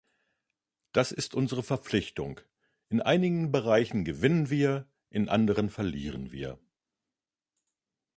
Das ist unsere Verpflichtung, in einigen Bereichen gewinnen wir, in anderen verlieren wir.